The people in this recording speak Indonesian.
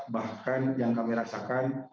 bahkan yang kami rasakan